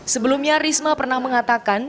sebelumnya risma pernah mengatakan